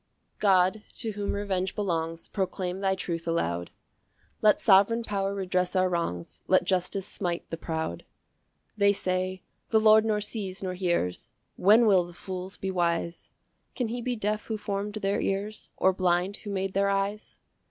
1 God, to whom revenge belongs, Proclaim thy truth aloud Let Sovereign Power redress our wrongs, Let justice smite the proud. 2 They say, "The Lord nor sees nor hears;" When will the fools be wise! Can he be deaf who form'd their ears? Or blind, who made their eyes?